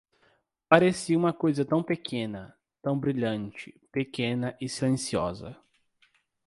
Parecia uma coisa tão pequena, tão brilhante, pequena e silenciosa.